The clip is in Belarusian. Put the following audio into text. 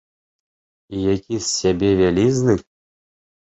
І які з сябе вялізны!